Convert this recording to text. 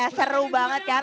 ya seru banget kan